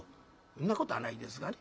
んなことはないですがね。